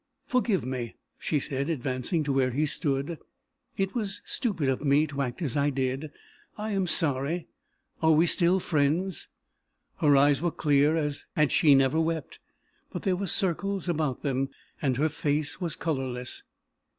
"Forgive me," she said, advancing to where he stood, "it was stupid of me to act as I did. I am sorry are we still friends?" Her eyes were clear as had she never wept, but there were circles about them, and her face was colorless.